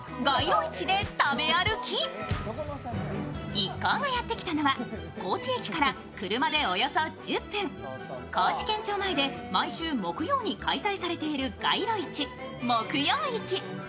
一行がやってきたのは、高知駅から車でおよそ１０分、高知県庁前で毎週木曜に開催されている街路市、木曜市。